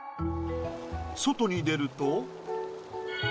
外に出ると。